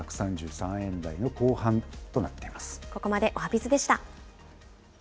円相場１ドル１３３円台の後半となっています。